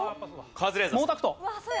カズレーザーさん。